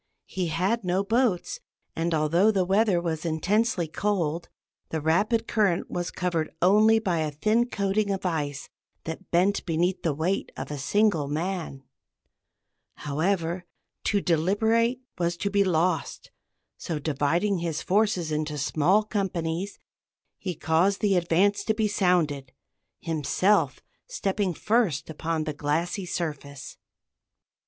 He had no boats, and although the weather was intensely cold, the rapid current was covered only by a thin coating of ice that bent beneath the weight of a single man. However, to deliberate was to be lost; so, dividing his forces into small companies, he caused the advance to be sounded, himself stepping first upon the glassy surface.